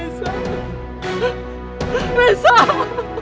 tidak boleh lagi pak